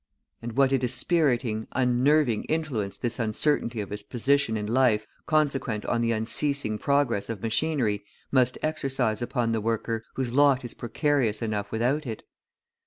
And what a dispiriting, unnerving influence this uncertainty of his position in life, consequent upon the unceasing progress of machinery, must exercise upon the worker, whose lot is precarious enough without it!